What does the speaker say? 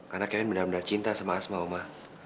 karena kevin benar benar cinta sama asma oma